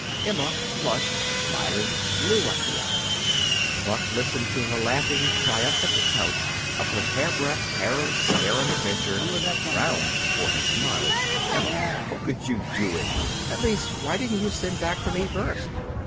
Emma, flushed, smiling, flew up the aisle. Buck, listening to her laughing, triumphant account of her hairbreadth, harum scarum adventure, frowned before he smiled. "Emma, how could you do it! At least, why didn't you send back for me first?"